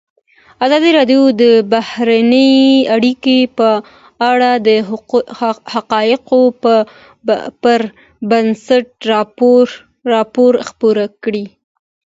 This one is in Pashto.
ازادي راډیو د بهرنۍ اړیکې په اړه د حقایقو پر بنسټ راپور خپور کړی.